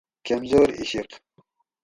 کمزور عِشق